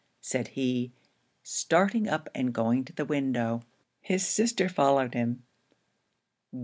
said he, starting up and going to the window. His sister followed him.